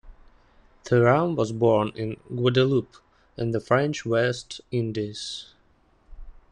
Thuram was born in Guadeloupe in the French West Indies.